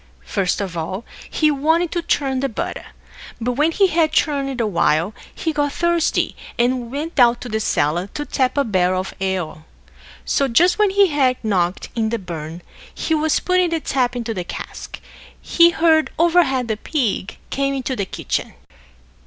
First of all, he wanted to churn the butter; but when he had churned a while, he got thirsty, and went down to the cellar to tap a barrel of ale. So, just when he had knocked in the bung, and was putting the tap into the cask, he heard overhead the pig come into the kitchen.